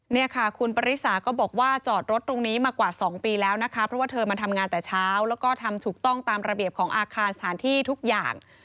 เนี่ยค่ะคุณปริสาก็บอกว่าจอดรถตรงนี้มากว่า๒ปีแล้วนะคะเพราะว่าเธอมาทำงานแต่เช้าแล้วก็ทำถูกต้องตามระเบียบของอาคารสถานที่ทุกอย่าง